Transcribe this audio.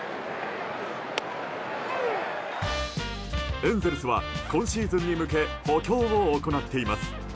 エンゼルスは今シーズンに向け補強を行っています。